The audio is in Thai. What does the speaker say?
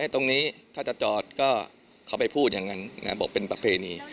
ตรงนี้ถ้าจะจอดก็เขาไปพูดอย่างนั้นบอกเป็นประเพณี